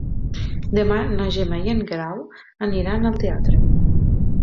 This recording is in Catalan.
Demà na Gemma i en Guerau aniran al teatre.